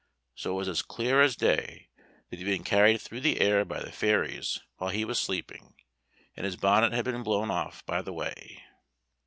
So it was as clear as day that he had been carried through the air by the fairies while he was sleeping, and his bonnet had been blown off by the way.